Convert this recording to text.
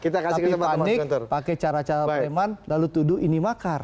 tapi panik pakai cara cara preman lalu tuduh ini makar